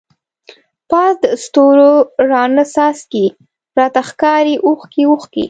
پاس د ستورو راڼه څاڅکی، راته ښکاری اوښکی اوښکی